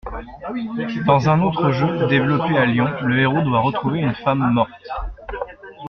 Dans un autre jeu, développé à Lyon, le héros doit retrouver une femme morte.